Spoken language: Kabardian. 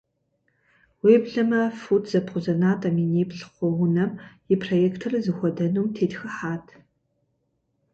Уеблэмэ фут зэбгъузэнатӏэ миниплӏ хъу унэм и проектыр зыхуэдэнум тетхыхьат.